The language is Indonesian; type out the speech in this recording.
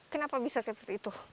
kenapa bisa seperti itu